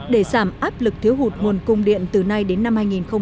để giảm áp lực thiếu hụt nguồn cung điện từ nay đến năm hai nghìn hai mươi